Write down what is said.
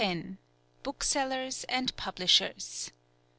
BOOKSELLERS AND PUBLISHERS.